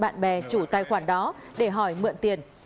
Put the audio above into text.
kẻ chủ tài khoản đó để hỏi mượn tiền